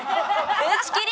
打ち切り！